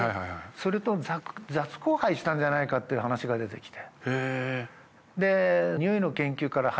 それと雑交配したんじゃないかっていう話が出てきて。